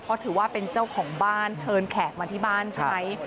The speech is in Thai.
เพราะถือว่าเป็นเจ้าของบ้านเชิญแขกมาที่บ้านใช่ไหม